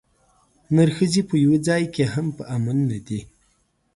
نرښځي په یوه ځای کې هم په امن نه دي.